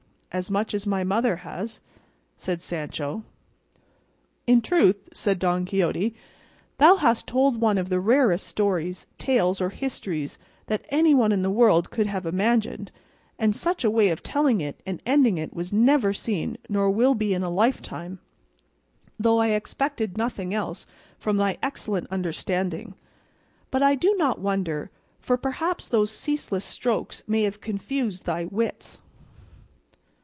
"As much as my mother has," said Sancho. "In truth," said Don Quixote, "thou hast told one of the rarest stories, tales, or histories, that anyone in the world could have imagined, and such a way of telling it and ending it was never seen nor will be in a lifetime; though I expected nothing else from thy excellent understanding. But I do not wonder, for perhaps those ceaseless strokes may have confused thy wits."